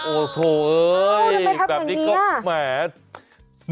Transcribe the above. โอ้โหเอ้ยแบบนี้ก็แหม